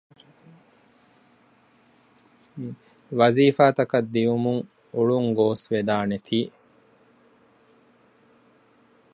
ވަޒީފާތަކަށް ދިއުމުން އުޅުން ގޯސްވެދާނެތީ